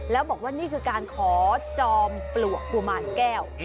แล้วบอกว่านี่คือการขอจอมปลวกกุมารแก้ว